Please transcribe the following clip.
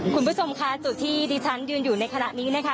คุณผู้ชมค่ะจุดที่ดิฉันยืนอยู่ในขณะนี้นะคะ